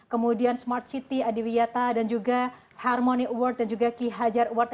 kemudian smart city adiwiata dan juga harmony award dan juga ki hajar award